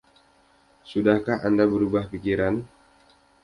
Sudahkah Anda berubah pikiran?